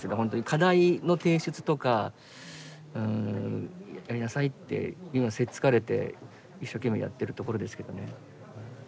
課題の提出とかうんやりなさいって今せっつかれて一生懸命やってるところですけどね。